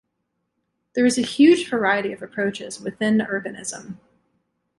There is a huge variety of approaches within urbanism.